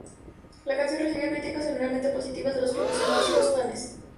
La canción recibió críticas generalmente positivas de los profesionales y los fanes.